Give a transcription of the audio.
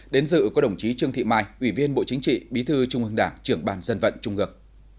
đến dự có đồng chí trương thị mai ủy viên bộ chính trị bí thư trung ương đảng trưởng bàn dân vận trung ương